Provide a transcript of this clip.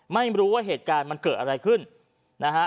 ไม่รู้ว่าเหตุการณ์มันเกิดอะไรขึ้นนะฮะ